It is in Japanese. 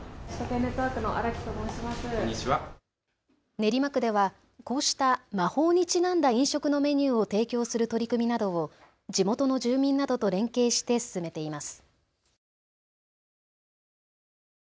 練馬区ではこうした魔法にちなんだ飲食のメニューを提供する取り組みなどを地元の住民などと連携して進めています。